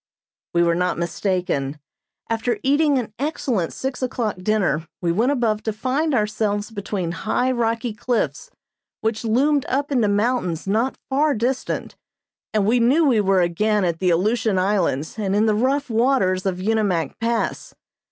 We were not mistaken. After eating an excellent six o'clock dinner we went above to find ourselves between high, rocky cliffs, which loomed up into mountains not far distant, and we knew we were again at the Aleutian Islands and in the rough waters of Unimak Pass.